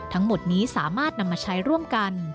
ทั้งหมดนี้สามารถนำมาใช้ร่วมกัน